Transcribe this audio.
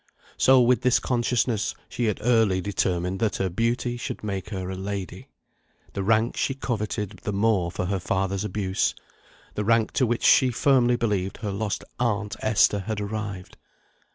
So with this consciousness she had early determined that her beauty should make her a lady; the rank she coveted the more for her father's abuse; the rank to which she firmly believed her lost aunt Esther had arrived.